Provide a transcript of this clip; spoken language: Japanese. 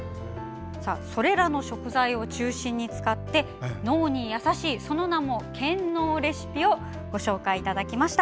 それらの食材を中心に使って脳に優しいその名も健脳レシピをご紹介いただきました。